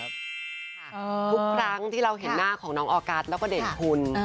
ทุกครั้งที่เราเห็นหน้าของน้องออกัสแล้วก็เด่นคุณ